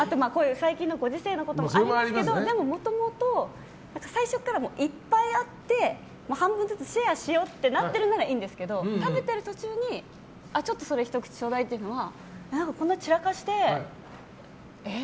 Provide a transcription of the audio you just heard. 最近のご時世のこともありますけどでも、もともと最初からいっぱいあって半分ずつシェアしようってなってるならいいんですけど食べてる途中にちょっと、それひと口ちょうだいって時はこんな散らかしてえっ？